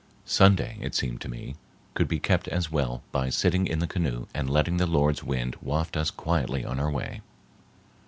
Sunday, it seemed to me, could be kept as well by sitting in the canoe and letting the Lord's wind waft us quietly on our way.